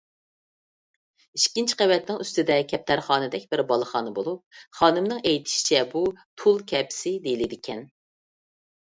ئىككىنچى قەۋەتنىڭ ئۈستىدە كەپتەرخانىدەك بىر بالىخانا بولۇپ، خانىمنىڭ ئېيتىشىچە بۇ تۇل كەپىسى دېيىلىدىكەن.